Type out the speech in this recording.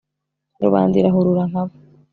Rubanda irahurura nk'abo